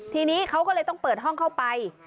ทีนี้เขาก็เลยต้องเปิดห้องเข้าไป